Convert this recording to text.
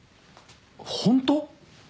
ホント？